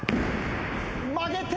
曲げて。